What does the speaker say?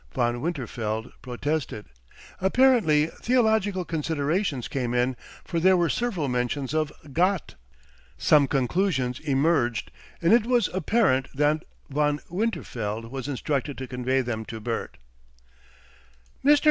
Von Winterfeld protested. Apparently theological considerations came in, for there were several mentions of "Gott!" Some conclusions emerged, and it was apparent that Von Winterfeld was instructed to convey them to Bert. "Mr.